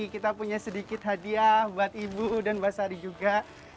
kita punya sedikit hadiah buat ibu dan mbak sari juga